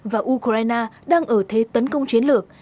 và ukraine đang ở thế tấn công chiến lược